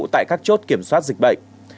tại các chốt kiểm soát dịch bệnh